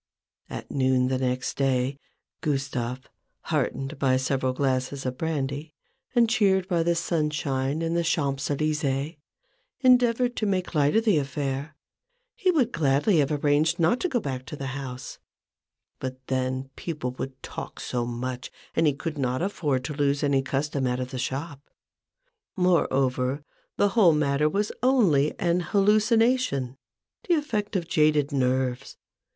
At noon the next day, Gustave, heartened by several glasses of brandy, and cheered by the sunshine in the Champs Elysecs, endeavoured to make light of the affair. He would gladly have arranged not to go back to the house : but then 94 A BOOK OF BARGAINS. people would talk so much, and he could not afford to lose any custom out of the shop. Moreover, the whole matter was only an hallucination— the effect of jaded nerves.